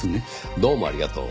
どうもありがとう。